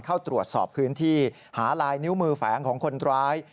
เข้าตรวจสอบพื้นที่หาลายนิ้วมือแฝงของคนร้าย